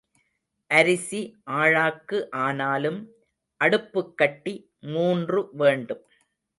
அரிசி ஆழாக்கு ஆனாலும் அடுப்புக்கட்டி மூன்று வேண்டும்.